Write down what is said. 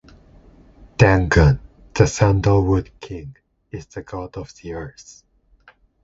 Dangun, the "Sandalwood King", is the god of the Earth.